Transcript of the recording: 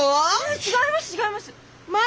違います違います！